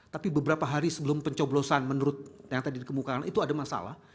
tapi beberapa hari sebelum pencoblosan menurut yang tadi dikemukakan itu ada masalah